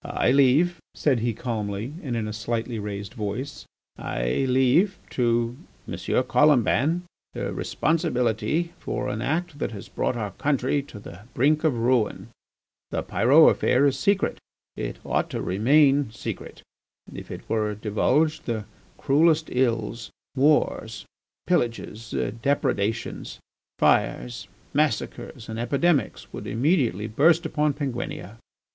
"I leave," said he calmly and in a slightly raised voice, "I leave to M. Colomban the responsibility for an act that has brought our country to the brink of ruin. The Pyrot affair is secret; it ought to remain secret. If it were divulged the cruelest ills, wars, pillages, depredations, fires, massacres, and epidemics would immediately burst upon Penguinia.